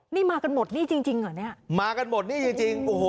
นี่มากันหมดนี่จริงจริงเหรอเนี่ยมากันหมดนี่จริงจริงโอ้โห